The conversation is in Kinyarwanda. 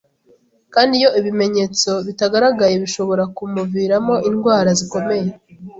kandi iyo ibimenyetso bitagaragaye, bishobora kumuviramo indwara zikomeye